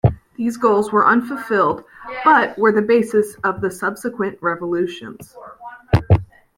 These goals were unfulfilled, but were the basis of the subsequent revolutions.